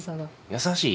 優しい？